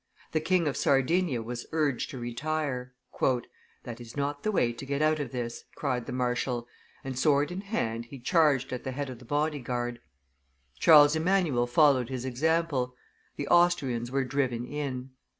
The King of Sardinia was urged to retire. "That is not the way to get out of this," cried the marshal, and, sword in hand, he charged at the head of the body guard; Charles Emmanuel followed his example; the Austrians were driven in.